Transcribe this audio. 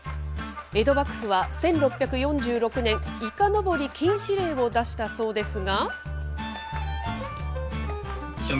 江戸幕府は１６４６年、いかのぼり禁止令を出したそうですが。